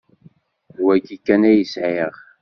D wayi kan ay sɛiɣ.